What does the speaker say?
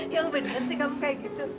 yang bener sih kamu kayak gitu